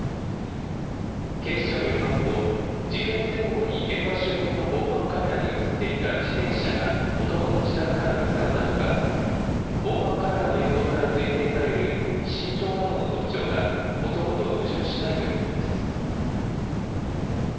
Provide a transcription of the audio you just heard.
警視庁によりますと、事件前後に現場周辺の防犯カメラに写っていた自転車が男の自宅から見つかったほか、防犯カメラの映像から推定される身長などの特徴が、男と矛盾しないということです。